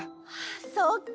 そっか！